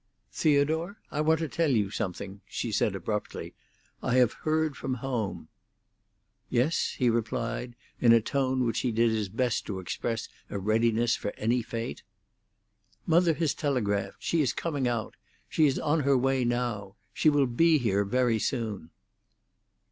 "Theodore, I want to tell you something," she said abruptly. "I have heard from home." "Yes?" he replied, in a tone in which he did his best to express a readiness for any fate. "Mother has telegraphed. She is coming out. She is on her way now. She will be here very soon."